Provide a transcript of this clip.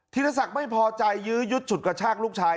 ธีรศักดิ์ไม่พอใจยืดฉุดกระชากลูกชาย